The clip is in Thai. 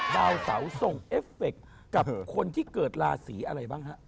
ดาวเสาส่งเอฟเฟคกับคนที่เกิดราศีอะไรบ้างฮะ